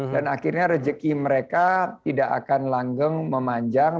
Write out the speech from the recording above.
dan akhirnya rezeki mereka tidak akan langgeng memanjang